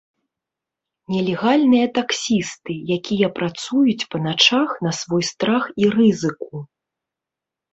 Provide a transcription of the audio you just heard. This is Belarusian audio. Нелегальныя таксісты, якія працуюць па начах на свой страх і рызыку.